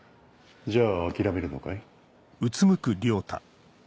じゃあ諦めるのかい？